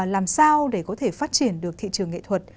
làm sao để có thể phát triển được thị trường nghệ thuật